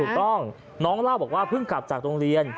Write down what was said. ถูกต้องน้องเล่าบอกว่าเพิ่งกลับจากโรงเรียน